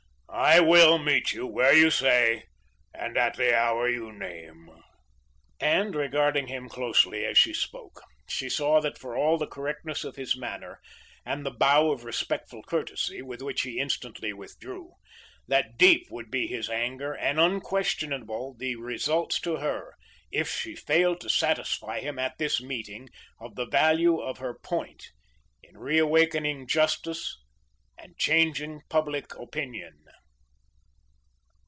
I will meet you where you say and at the hour you name." And, regarding him closely as he spoke, she saw that for all the correctness of his manner and the bow of respectful courtesy with which he instantly withdrew, that deep would be his anger and unquestionable the results to her if she failed to satisfy him at this meeting of the value of her POINT in reawakening justice and changing public opinion.